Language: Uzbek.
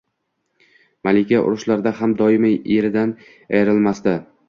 Malika urushlarda ham doimo eridan ayrilmasdi